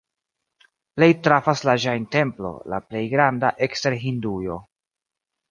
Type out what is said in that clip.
Plej trafas la Ĵain-templo, la plej granda ekster Hindujo.